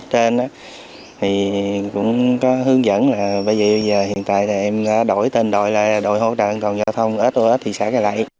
bằng những việc làm thiết thực và ý nghĩa các thành viên trong đội hỗ trợ an toàn giao thông sos thị xã cây lệ